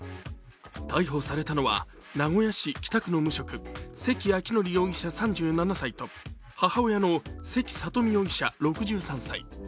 逮捕されたのは名古屋市北区の無職・関明範容疑者３７歳と母親の関佐登美容疑者６３歳。